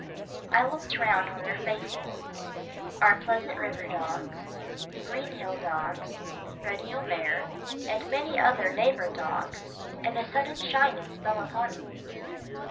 I looked round on their faces our Pleasant River dogs, the Green Hill dogs, Reddy O'Mare and many other neighbour dogs, and a sudden shyness fell upon me.